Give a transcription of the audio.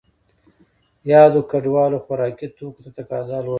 یادو کډوالو خوراکي توکو ته تقاضا لوړه کړه.